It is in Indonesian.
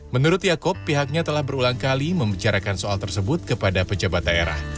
menurut yaakob pihaknya telah berulang kali membicarakan soal tersebut kepada pejabat daerah